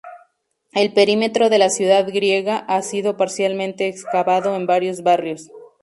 El perímetro de la ciudad griega ha sido parcialmente excavado en varios barrios.